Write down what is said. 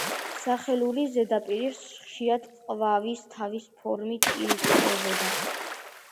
სახელურის ზედაპირი ხშირად ყვავის თავის ფორმით ირთვებოდა.